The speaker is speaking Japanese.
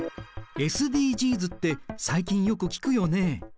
ＳＤＧｓって最近よく聞くよね。